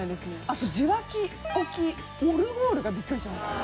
あと受話器置きオルゴールがビックリしました。